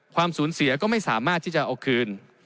ความสูญเสียก็ไม่สามารถที่จะเอาคืน